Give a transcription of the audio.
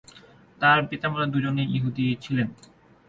তার পিতামাতা দুজনেই ইহুদি ছিলেন।